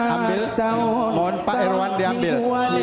ambil mohon pak irwan diambil